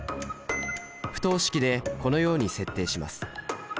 不等式でこのように設定します。